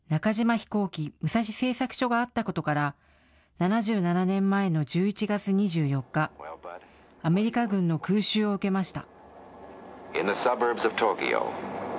飛行機武蔵製作所があったことから７７年前の１１月２４日、アメリカ軍の空襲を受けました。